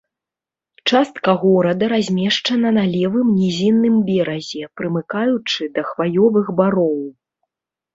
Частка горада размешчана на левым нізінным беразе, прымыкаючы да хваёвых бароў.